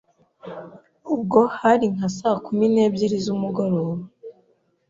ubwo hari nka saa kumi n’ebyiri z’umugoroba